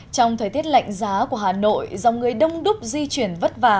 trong thời tiết lạnh giá của hà nội dòng người đông đúc di chuyển vất vả